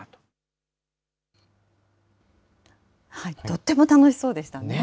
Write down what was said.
とっても楽しそうでしたね。